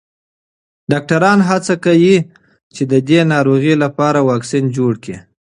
ډاکټران هڅه کوي چې د دې ناروغۍ لپاره واکسین جوړ کړي.